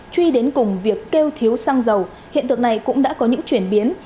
truy đến cùng việc kêu thiếu xăng dầu hiện tượng này cũng đã có những chuyển biến